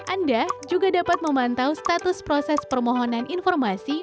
anda juga dapat memantau status proses permohonan informasi